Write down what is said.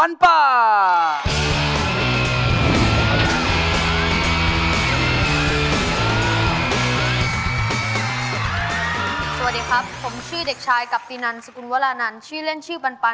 หนาใจบางที่คุณนี้นะครับผม